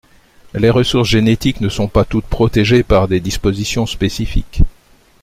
Les ressources génétiques ne sont pas toutes protégées par des dispositions spécifiques.